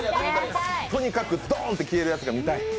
とにかくドーンって消えるやつが見たい。